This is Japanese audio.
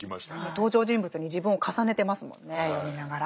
登場人物に自分を重ねてますもんね読みながら。